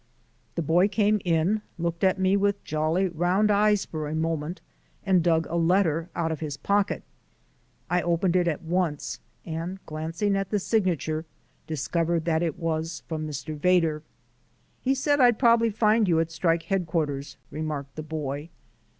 The boy came in, looked at me with jolly round eyes for a moment, and dug a letter out of his pocket. I opened it at once, and glancing at the signature discovered that it was from Mr. Vedder. "He said I'd probably find you at strike headquarters," remarked the boy.